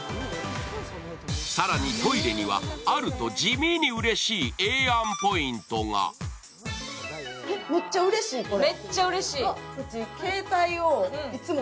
更にトイレにはあると地味にうれしいええやんポイントがめっちゃうれしい、これ。